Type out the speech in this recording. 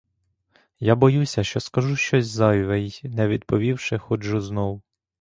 Я боюся, що скажу щось зайве й, не відповівши, ходжу знов.